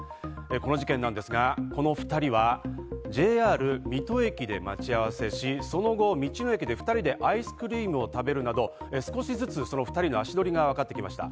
この事件なんですが、この２人はＪＲ水戸駅で待ち合わせし、あの後、道の駅で２人でアイスクリームを食べるなど少しずつ２人の足取りがわかってきました。